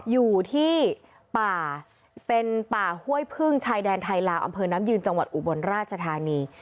อยู่ที่ป่าเป็นป่าห้วยพึ่งชายแดนไทยลาวอำเภอน้ำยืนจังหวัดอุบลราชธานี